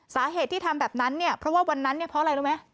สาเหตุที่ทำแบบนั้นเนี่ยเพราะว่าวันนั้นเนี่ยเพราะอะไรรู้ไหม